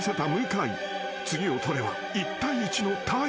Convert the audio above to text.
［次を取れば１対１のタイ］